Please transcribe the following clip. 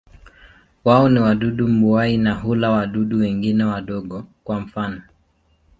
Wao ni wadudu mbuai na hula wadudu wengine wadogo, kwa mfano.